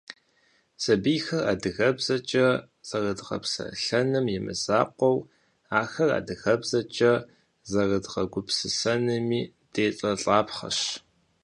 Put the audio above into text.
Сабийхэр адыгэбзэкӏэ зэрыдгъэпсэлъэным имызакъуэу, ахэр адыгэбзэкӀэ зэрыдгъэгупсысэнми делӀэлӀапхъэщ.